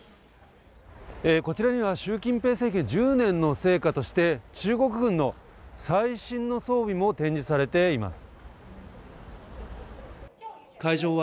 こちらにはシュウ・キンペイ政権１０年の成果として中国軍の最新の装備も展示されています。